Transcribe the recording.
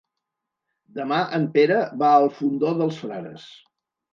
Demà en Pere va al Fondó dels Frares.